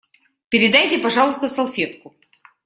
Передайте, пожалуйста, салфетку.